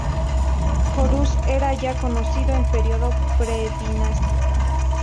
Horus era ya conocido en periodo predinástico.